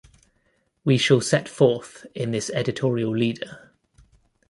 We shall set forth in this editorial leader.